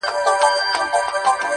يو ليك.